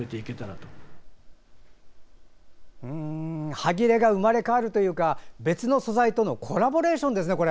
はぎれが生まれ変わるというか別の素材とのコラボレーションですね。